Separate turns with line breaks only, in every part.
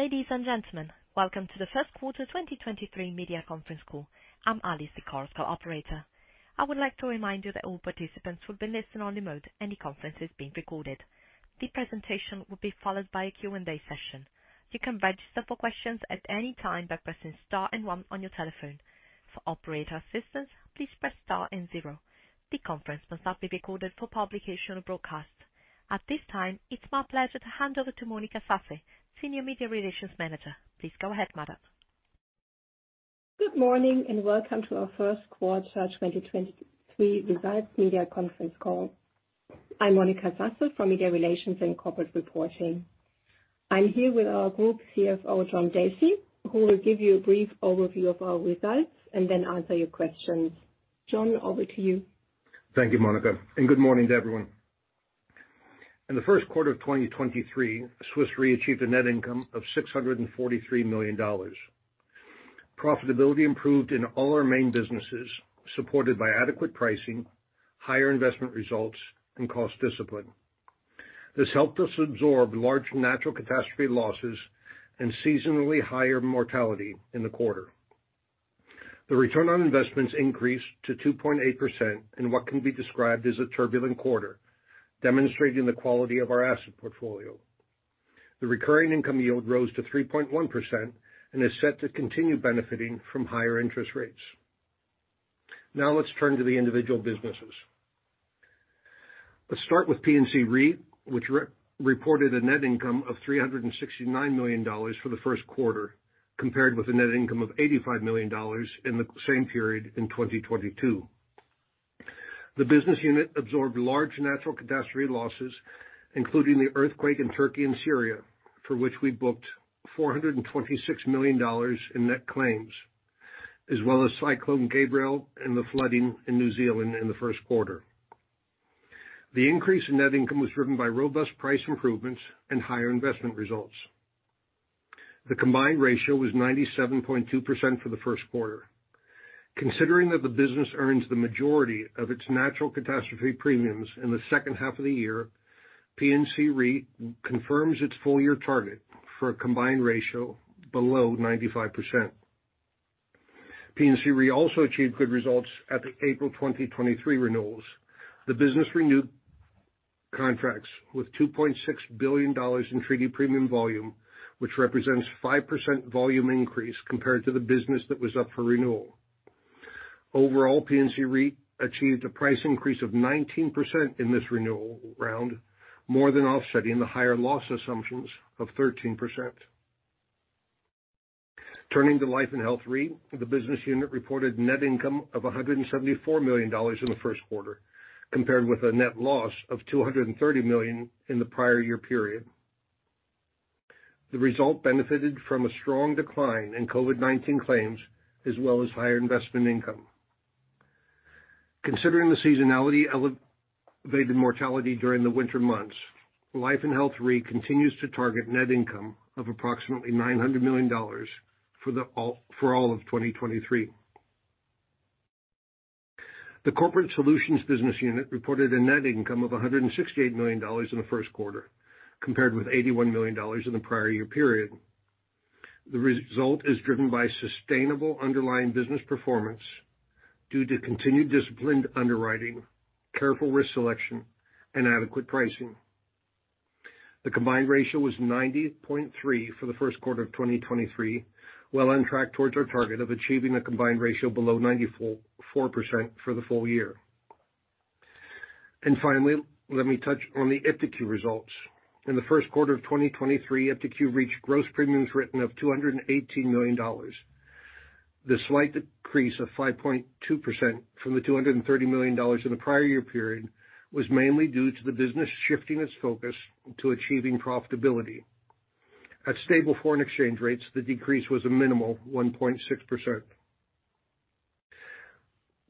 Ladies and gentlemen, welcome to the First quarter 2023 media conference call. I'm Alice, the corporate operator. I would like to remind you that all participants will be listen only mode. Any conference is being recorded. The presentation will be followed by a Q&A session. You can register for questions at any time by pressing star and one on your telephone. For operator assistance, please press star and zero. The conference must not be recorded for publication or broadcast. At this time, it's my pleasure to hand over to Monika Sasse, Senior Media Relations Manager. Please go ahead, madam.
Good morning and welcome to our first quarter 2023 results media conference call. I'm Monika Sasse from Media Relations and Corporate Reporting. I'm here with our Group CFO, John Dacey, who will give you a brief overview of our results and then answer your questions. John, over to you.
Thank you, Monika, good morning to everyone. In the first quarter of 2023, Swiss Re achieved a net income of $643 million. Profitability improved in all our main businesses, supported by adequate pricing, higher investment results and cost discipline. This helped us absorb large natural catastrophe losses and seasonally higher mortality in the quarter. The return on investments increased to 2.8% in what can be described as a turbulent quarter, demonstrating the quality of our asset portfolio. The recurring income yield rose to 3.1% and is set to continue benefiting from higher interest rates. Now let's turn to the individual businesses. Let's start with P&C Re, which re-reported a net income of $369 million for the first quarter, compared with a net income of $85 million in the same period in 2022. The business unit absorbed large natural catastrophe losses, including the earthquake in Turkey and Syria, for which we booked $426 million in net claims, as well as Cyclone Gabrielle and the flooding in New Zealand in the first quarter. The increase in net income was driven by robust price improvements and higher investment results. The combined ratio was 97.2% for the first quarter. Considering that the business earns the majority of its natural catastrophe premiums in the second half of the year, P&C Re confirms its full year target for a combined ratio below 95%. P&C Re also achieved good results at the April 2023 renewals. The business renewed contracts with $2.6 billion in treaty premium volume, which represents 5% volume increase compared to the business that was up for renewal. Overall, P&C Re achieved a price increase of 19% in this renewal round, more than offsetting the higher loss assumptions of 13%. Turning to Life & Health Re, the business unit reported net income of $174 million in the first quarter, compared with a net loss of $230 million in the prior year period. The result benefited from a strong decline in COVID-19 claims as well as higher investment income. Considering the seasonality elevated mortality during the winter months, Life & Health Re continues to target net income of approximately $900 million for all of 2023. The Corporate Solutions business unit reported a net income of $168 million in the first quarter, compared with $81 million in the prior year period. The result is driven by sustainable underlying business performance due to continued disciplined underwriting, careful risk selection and adequate pricing. The combined ratio was 90.3 for the first quarter of 2023, well on track towards our target of achieving a combined ratio below 94% for the full year. Finally, let me touch on the iptiQ results. In the first quarter of 2023, iptiQ reached gross premiums written of $218 million. The slight decrease of 5.2% from the $230 million in the prior year period was mainly due to the business shifting its focus to achieving profitability. At stable foreign exchange rates, the decrease was a minimal 1.6%.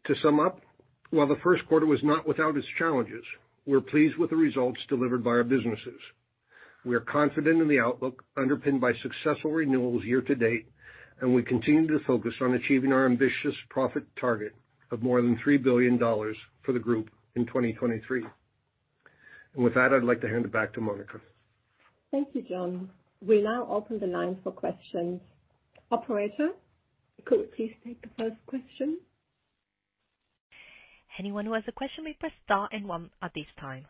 To sum up, while the first quarter was not without its challenges, we're pleased with the results delivered by our businesses. We are confident in the outlook underpinned by successful renewals year to date, and we continue to focus on achieving our ambitious profit target of more than $3 billion for the group in 2023. With that, I'd like to hand it back to Monika.
Thank you, John. We now open the line for questions. Operator, could you please take the first question?
Anyone who has a question may press star and one at this time.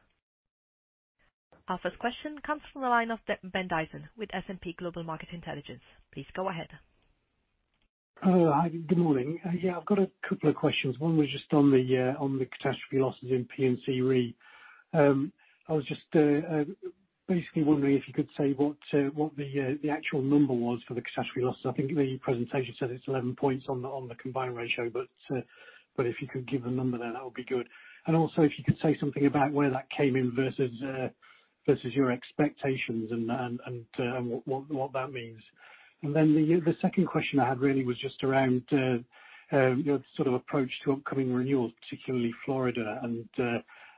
Our first question comes from the line of Ben Dyson with S&P Global Market Intelligence. Please go ahead.
Hello. Hi, good morning. Yeah, I've got a couple of questions. One was just on the catastrophe losses in P&C Re. I was just basically wondering if you could say what the actual number was for the catastrophe losses. I think the presentation says it's 11 points on the combined ratio. If you could give a number then that would be good. Also if you could say something about where that came in versus your expectations and what that means. The second question I had really was just around your sort of approach to upcoming renewals, particularly Florida.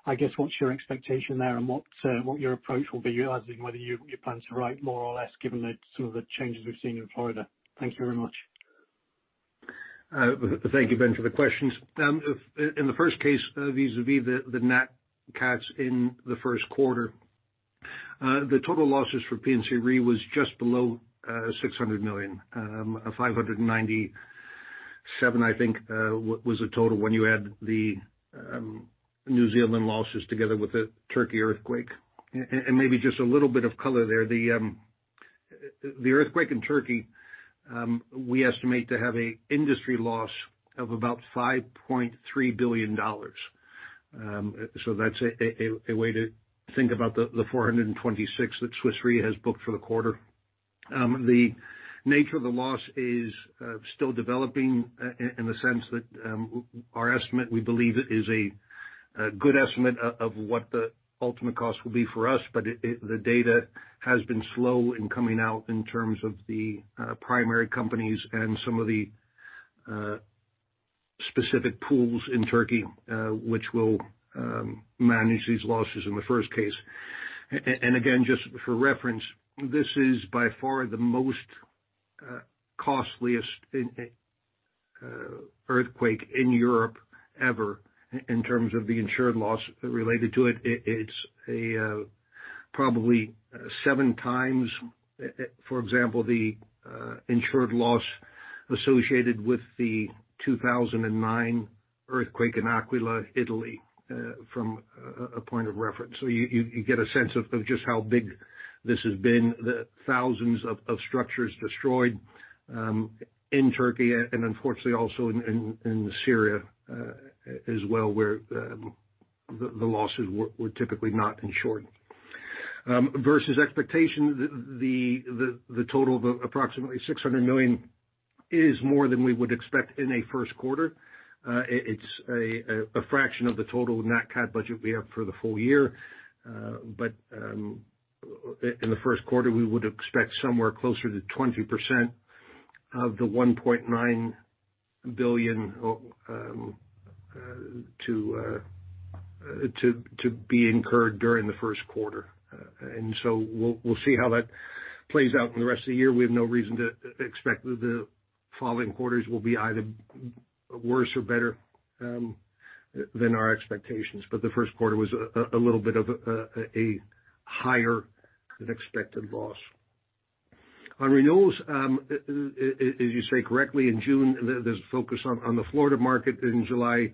I guess what's your expectation there and what your approach will be realizing whether you plan to write more or less given the sort of the changes we've seen in Florida. Thank you very much.
Thank you, Ben, for the questions. In the first case, vis-a-vis the nat cats in the first quarter, the total losses for P&C Re was just below $600 million, $597, I think, was the total when you add the New Zealand losses together with the Turkey earthquake. Maybe just a little bit of color there. The earthquake in Turkey, we estimate to have a industry loss of about $5.3 billion. That's a way to think about the $426 that Swiss Re has booked for the quarter. The nature of the loss is still developing in the sense that our estimate, we believe is a good estimate of what the ultimate cost will be for us, but the data has been slow in coming out in terms of the primary companies and some of the specific pools in Turkey, which will manage these losses in the first case. Just for reference, this is by far the most costliest earthquake in Europe ever in terms of the insured loss related to it. It's probably seven times, for example, the insured loss associated with the 2009 earthquake in L'Aquila, Italy, from a point of reference. You get a sense of just how big this has been. The thousands of structures destroyed in Turkey and unfortunately also in Syria as well, where the losses were typically not insured. Versus expectation, the total of approximately $600 million is more than we would expect in a first quarter. It's a fraction of the total nat cat budget we have for the full year. In the first quarter, we would expect somewhere closer to 20% of the $1.9 billion to be incurred during the first quarter. We'll see how that plays out in the rest of the year. We have no reason to expect the following quarters will be either worse or better than our expectations. The first quarter was a little bit of a higher than expected loss. On renewals, as you say correctly, in June, there's focus on the Florida market, in July,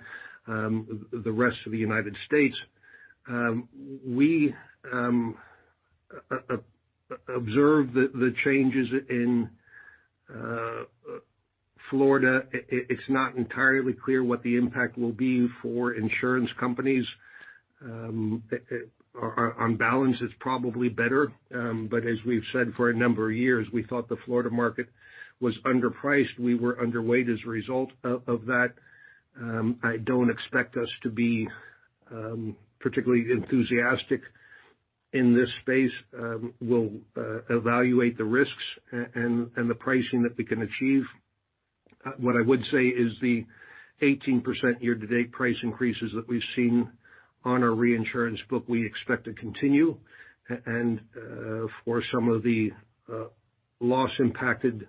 the rest of the United States. We observe the changes in Florida. It's not entirely clear what the impact will be for insurance companies. On balance it's probably better, as we've said for a number of years, we thought the Florida market was underpriced. We were underweight as a result of that. I don't expect us to be particularly enthusiastic in this space. We'll evaluate the risks and the pricing that we can achieve. What I would say is the 18% year-to-date price increases that we've seen on our reinsurance book, we expect to continue. For some of the loss impacted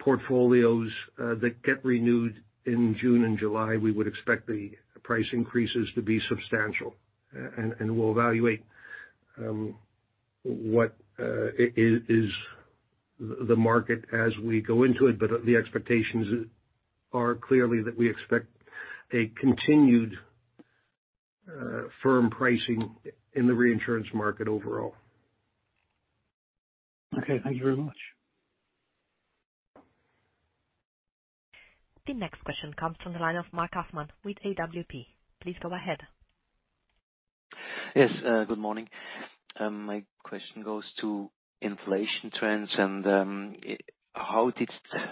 portfolios that get renewed in June and July, we would expect the price increases to be substantial. We'll evaluate what is the market as we go into it, but the expectations are clearly that we expect a continued firm pricing in the reinsurance market overall.
Okay. Thank you very much. The next question comes from the line of Mark Hoffman with AWP. Please go ahead.
Good morning. My question goes to inflation trends and how did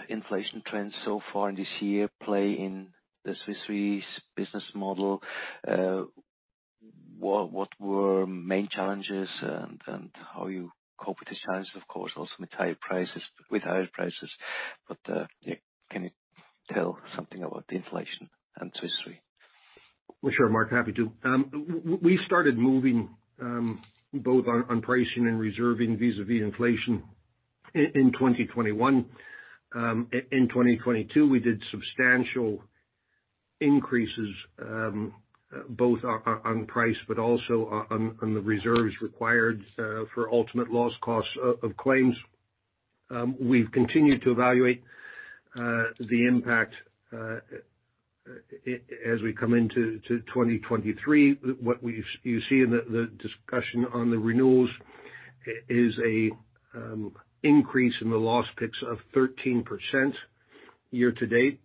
inflation trends so far this year play in the Swiss Re's business model? What were main challenges and how you cope with these challenges, of course, also with higher prices. Can you tell something about the inflation and Swiss Re?
Sure, Mark. Happy to. We started moving, both on pricing and reserving vis-a-vis inflation in 2021. In 2022, we did substantial increases, both on price, but also on the reserves required, for ultimate loss costs of claims. We've continued to evaluate, the impact, as we come into 2023. What you see in the discussion on the renewals is a, increase in the loss picks of 13% year to date.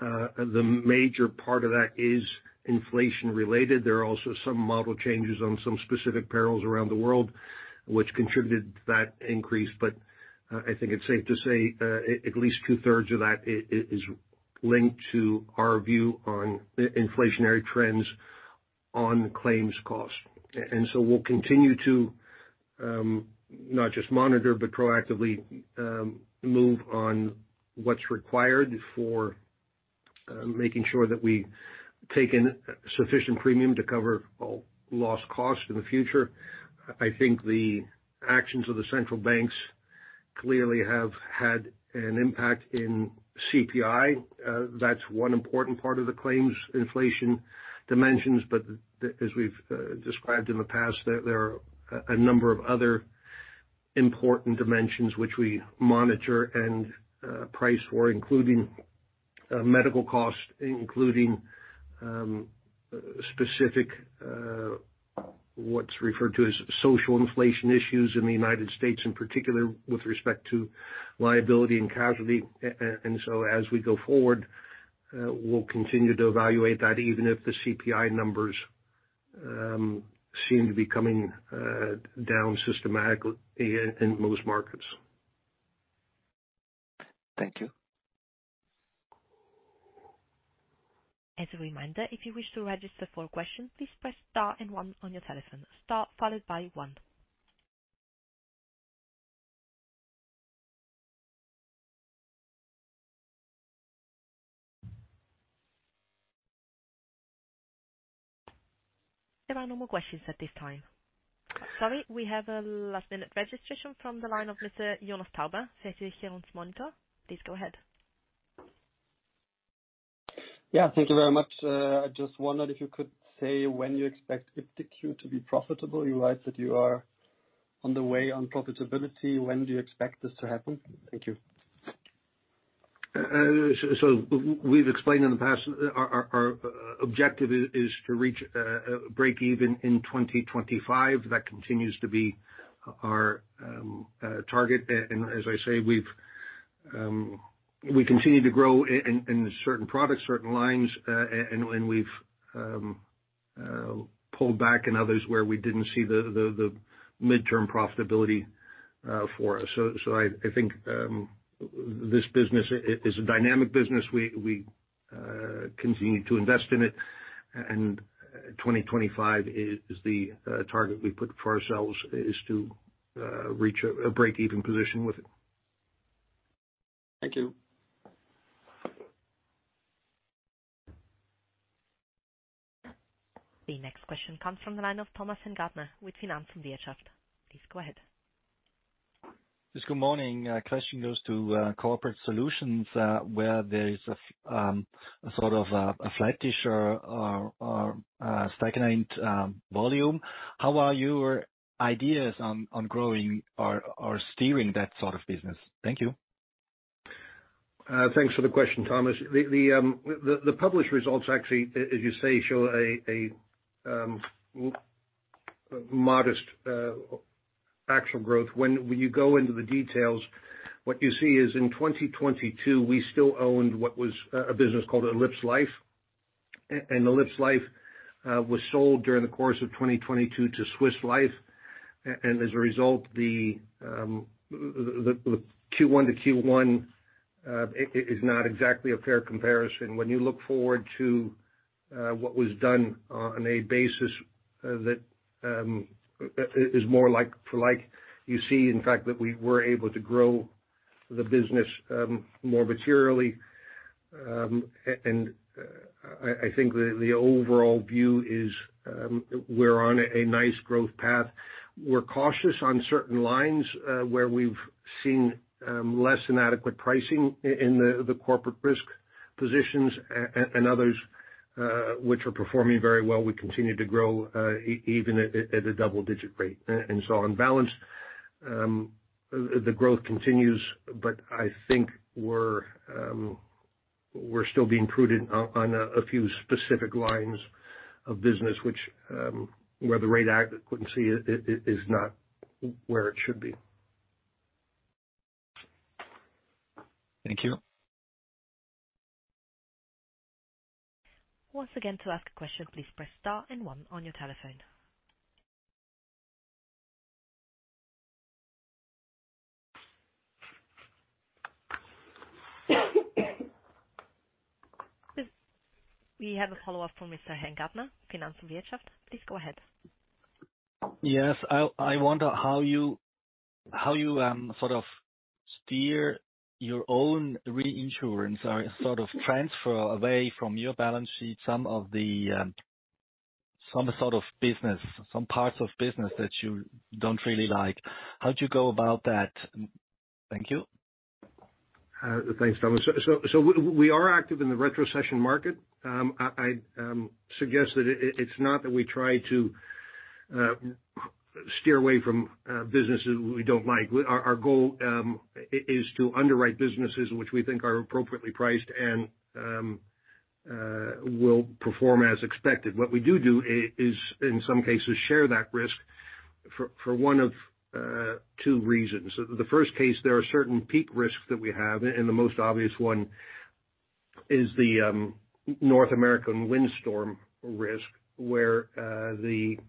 The major part of that is inflation related. There are also some model changes on some specific perils around the world which contributed to that increase. I think it's safe to say, at least two-thirds of that is linked to our view on inflationary trends on claims costs. We'll continue to not just monitor, but proactively move on what's required making sure that we take in sufficient premium to cover all loss cost in the future. I think the actions of the central banks clearly have had an impact in CPI. That's one important part of the claims inflation dimensions, but as we've described in the past, there are a number of other important dimensions which we monitor and price for, including medical costs, including specific what's referred to as social inflation issues in the United States, in particular with respect to liability and casualty. As we go forward, we'll continue to evaluate that even if the CPI numbers seem to be coming down systematically in most markets.
Thank you.
As a reminder, if you wish to register for a question, please press star and one on your telephone, star followed by one. There are no more questions at this time. Sorry, we have a last-minute registration from the line of Mr. Jonas Tauber, Monitor. Please go ahead.
Yeah. Thank you very much. I just wondered if you could say when you expect iptiQ to be profitable. You're right that you are on the way on profitability. When do you expect this to happen? Thank you.
So we've explained in the past our objective is to reach a break even in 2025. That continues to be our target. As I say, we've, we continue to grow in certain products, certain lines, and when we've pulled back in others where we didn't see the midterm profitability for us. I think this business is a dynamic business. We continue to invest in it. 2025 is the target we put for ourselves, is to reach a break even position with it.
Thank you.
The next question comes from the line of Thomas Hengartner with Finanz und Wirtschaft. Please go ahead.
Yes. Good morning. Question goes to Corporate Solutions, where there is a sort of a flat-ish or stagnant volume. How are your ideas on growing or steering that sort of business? Thank you.
Thanks for the question, Thomas. The published results, actually, as you say, show a modest actual growth. When you go into the details, what you see is in 2022, we still owned what was a business called elipsLife. elipsLife was sold during the course of 2022 to Swiss Life. As a result, the Q1 to Q1 is not exactly a fair comparison. When you look forward to what was done on a basis that is more like for like, you see, in fact, that we were able to grow the business more materially. I think the overall view is, we're on a nice growth path. We're cautious on certain lines, where we've seen less than adequate pricing in the corporate risk positions and others, which are performing very well. We continue to grow, even at a double digit rate. On balance, the growth continues, but I think we're still being prudent on a few specific lines of business which where the rate adequacy is not where it should be.
Thank you.
Once again, to ask a question, please press star and one on your telephone. We have a follow-up from Mr. Hengartner, Finanz und Wirtschaft. Please go ahead.
Yes. I wonder how you sort of steer your own reinsurance or sort of transfer away from your balance sheet some of the some parts of business that you don't really like. How do you go about that? Thank you.
Thanks, Thomas. We are active in the retrocession market. I suggest that it's not that we try to steer away from businesses we don't like. Our goal is to underwrite businesses which we think are appropriately priced and will perform as expected. What we do in some cases, share that risk for one of two reasons. The first case, there are certain peak risks that we have, and the most obvious one is the North American windstorm risk, where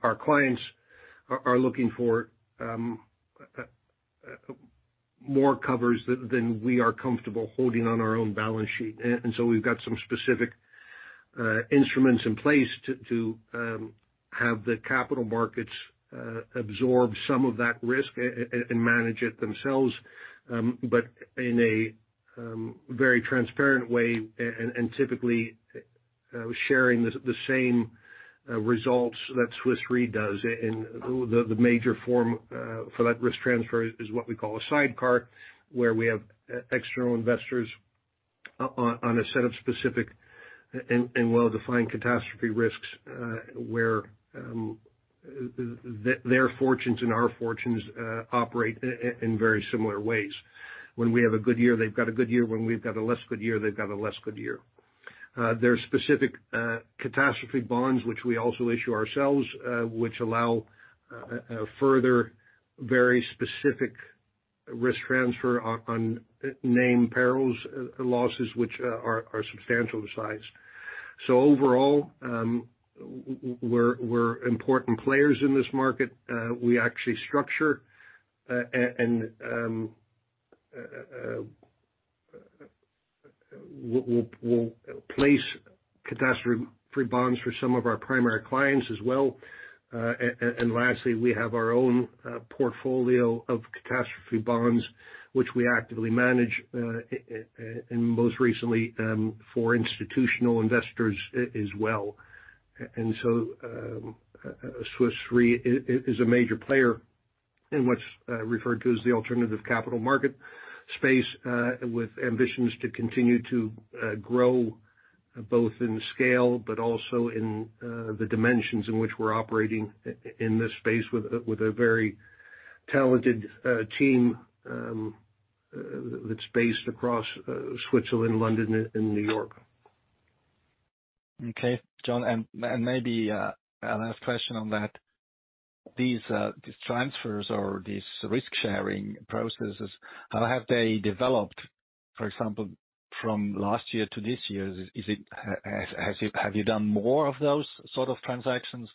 our clients are looking for more covers than we are comfortable holding on our own balance sheet. We've got some specific instruments in place to have the capital markets absorb some of that risk and manage it themselves, but in a very transparent way and typically sharing the same results that Swiss Re does. The major form for that risk transfer is what we call a sidecar, where we have external investors on a set of specific and well-defined catastrophe risks, where their fortunes and our fortunes operate in very similar ways. When we have a good year, they've got a good year. When we've got a less good year, they've got a less good year. There are specific catastrophe bonds which we also issue ourselves, which allow further very specific risk transfer on named perils losses which are substantial in size. Overall, we're important players in this market. We actually structure and we'll place catastrophe bonds for some of our primary clients as well. Lastly, we have our own portfolio of catastrophe bonds which we actively manage and most recently for institutional investors as well. Swiss Re is a major player in what's referred to as the alternative capital market space, with ambitions to continue to grow both in scale, but also in the dimensions in which we're operating in this space with a very talented team that's based across Switzerland, London, and New York.
Okay, John. Maybe, a last question on that. These transfers or these risk-sharing processes, how have they developed, for example, from last year to this year? Have you done more of those sort of transactions,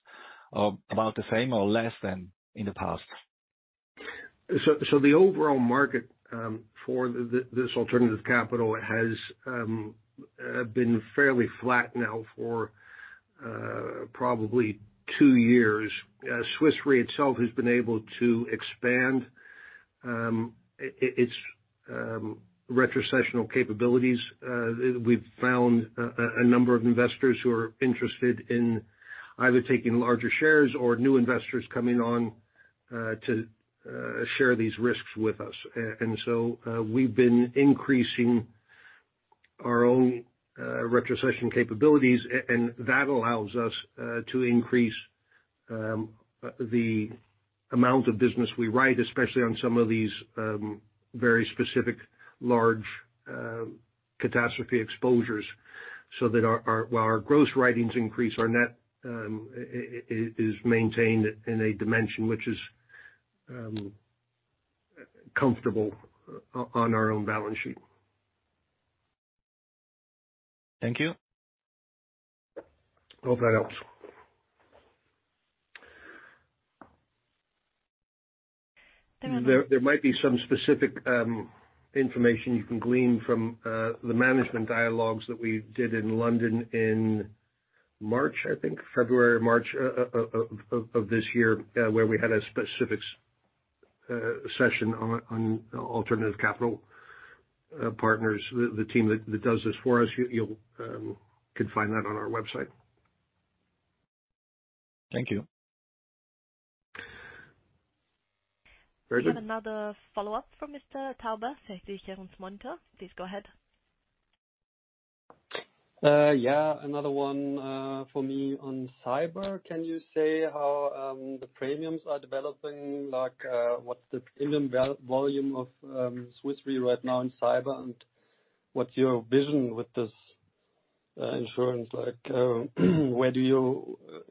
or about the same or less than in the past?
The overall market for this alternative capital has been fairly flat now for probably two years. Swiss Re itself has been able to expand its retrocessional capabilities. We've found a number of investors who are interested in either taking larger shares or new investors coming on to share these risks with us. We've been increasing our own retrocession capabilities, and that allows us to increase the amount of business we write, especially on some of these very specific large catastrophe exposures, so that our while our gross writings increase, our net is maintained in a dimension which is comfortable on our own balance sheet.
Thank you.
Hope that helps.
Another one.
There might be some specific information you can glean from the Management Dialogues that we did in London in March, I think, February or March of this year, where we had a specific session on alternative capital partners. The team that does this for us. You'll can find that on our website.
Thank you.
Berger?
We have another follow-up from Mr. Tauber, Versicherungsmonitor. Please go ahead.
Yeah, another one for me on cyber. Can you say how the premiums are developing? Like, what's the premium volume of Swiss Re right now in cyber? What's your vision with this insurance? Like,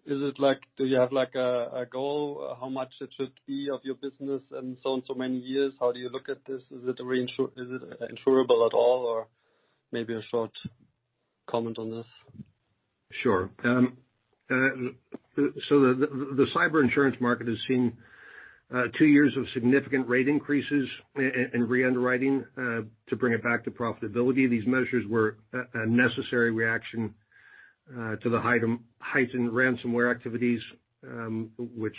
is it like, do you have like a goal? How much it should be of your business in so and so many years? How do you look at this? Is it insurable at all? Maybe a short comment on this.
The cyber insurance market has seen two years of significant rate increases in reunderwriting to bring it back to profitability. These measures were a necessary reaction to the heightened ransomware activities, which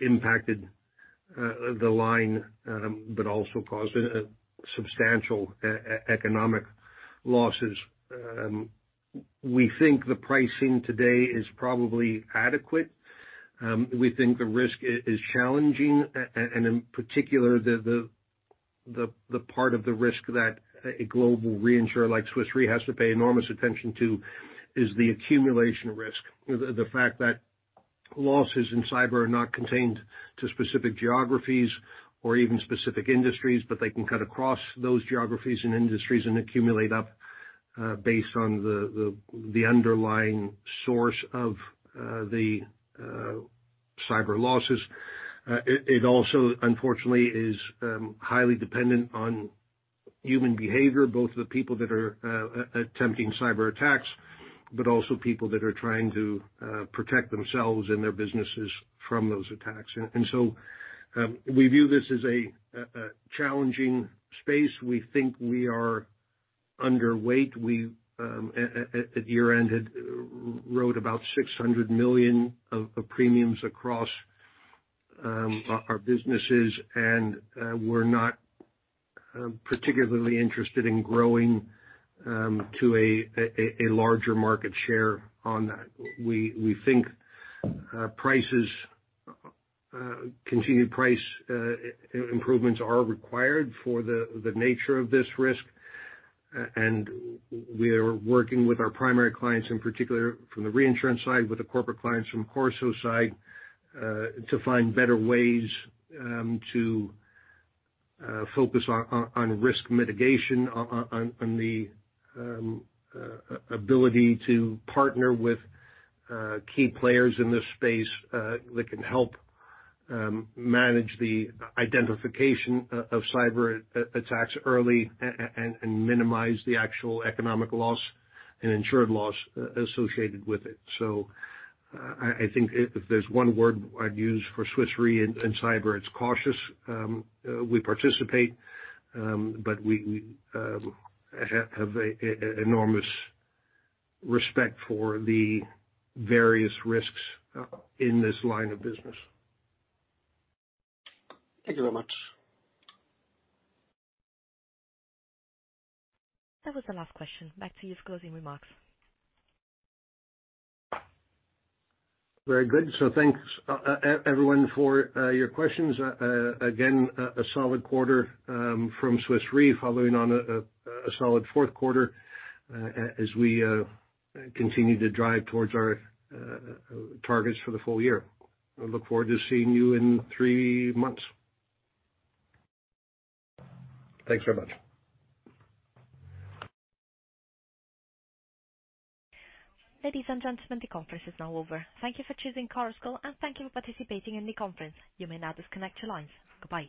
impacted the line, but also caused substantial economic losses. We think the pricing today is probably adequate. We think the risk is challenging, and in particular, the part of the risk that a global reinsurer like Swiss Re has to pay enormous attention to is the accumulation risk. The fact that losses in cyber are not contained to specific geographies or even specific industries, but they can cut across those geographies and industries and accumulate up based on the underlying source of the cyber losses. It, it also unfortunately is highly dependent on human behavior, both the people that are attempting cyberattacks, but also people that are trying to protect themselves and their businesses from those attacks. We view this as a challenging space. We think we are underweight. We at year-end had wrote about $600 million of premiums across our businesses. We're not particularly interested in growing to a larger market share on that. We think prices, continued price improvements are required for the nature of this risk. h our primary clients, in particular from the reinsurance side, with the corporate clients from CorSo side, to find better ways to focus on risk mitigation on the ability to partner with key players in this space that can help manage the identification of cyber attacks early and minimize the actual economic loss and insured loss associated with it. I think if there's one word I'd use for Swiss Re in cyber, it's cautious. We participate, but we have an enormous respect for the various risks in this line of business
Thank you very much. That was the last question. Back to you for closing remarks.
Very good. Thanks, everyone for your questions. Again, a solid quarter from Swiss Re following on a solid fourth quarter, as we continue to drive towards our targets for the full year. I look forward to seeing you in three months. Thanks very much.
Ladies and gentlemen, the conference is now over. Thank you for choosing Chorus Call, and thank you for participating in the conference. You may now disconnect your lines. Goodbye.